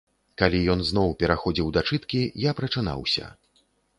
Калі ён зноў пераходзіў да чыткі, я прачынаўся.